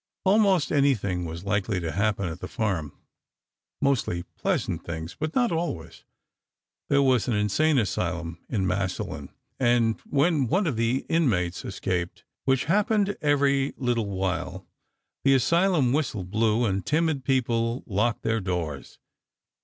Almost anything was likely to happen at "the farm"—mostly pleasant things, but not always. There was an insane asylum in Massillon, and when one of the inmates escaped, which happened every little while, the asylum whistle blew, and timid people locked their doors.